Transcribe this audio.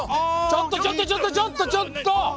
ちょっとちょっとちょっとちょっと！